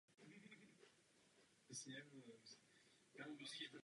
Němečtí kolonisté dali místu nový impuls k rozvoji.